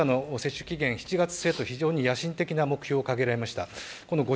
総理は高齢者の接種期限７月末と、非常に野心的な目標を掲げられました。